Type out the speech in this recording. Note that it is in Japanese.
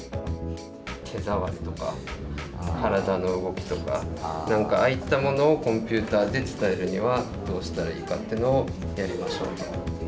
手触りとか体の動きとかなんかああいったものをコンピューターで伝えるにはどうしたらいいかというのをやりましょう。